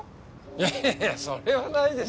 いやいやそれはないでしょ。